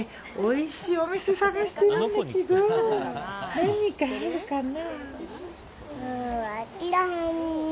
何かあるかな？